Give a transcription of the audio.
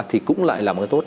thì cũng lại là một cái tốt